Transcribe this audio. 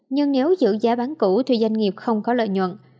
nhưng nếu giữ giá bán cũ thì doanh nghiệp không có lợi nhuận